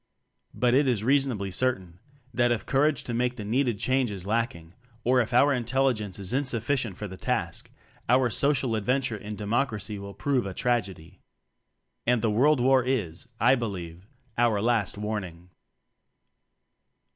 But, it is reasonably certain, that, if courage to make the needed change is lacking, or if our intelligence is insufficient for the task, our social adventure in Democracy will prove a tragedy. And the world war is, I believe, our last warning.